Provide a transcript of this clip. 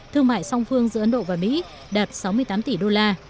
thương mại song phương giữa ấn độ và mỹ đạt sáu mươi tám tỷ đô la